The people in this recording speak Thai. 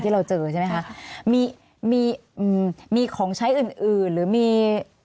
ที่เราเจอใช่ไหมค่ะใช่ค่ะมีมีอืมมีของใช้อื่นอื่นหรือมี